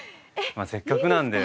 まあせっかくなんで。